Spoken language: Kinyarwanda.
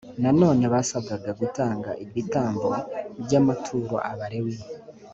nanone basabwaga gutanga ibitambo by amatungo abalewi